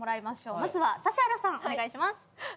まずは指原さんお願いします。